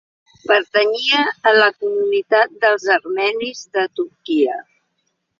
Pertanyia a la comunitat dels Armenis de Turquia.